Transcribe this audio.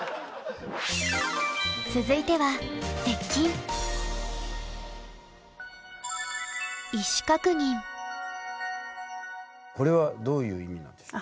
続いてはこれはどういう意味なんでしょう？